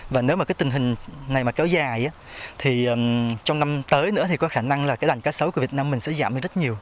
và nếu mà cái tình hình này mà kéo dài thì trong năm tới nữa thì có khả năng là cái lần cá sấu của việt nam mình sẽ giảm hơn rất nhiều